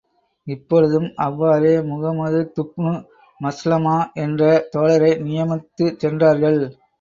இப்பொழுதும் அவ்வாறே, முஹம்மதுப்னு மஸ்லமா என்ற தோழரை நியமித்துச் சென்றார்கள்.